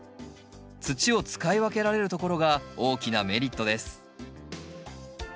土を使い分けられるところが大きなメリットです。